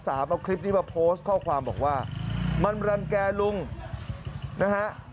เอาคลิปนี้มาโพสต์ข้อความบอกว่ามันรังแก่ลุงนะฮะ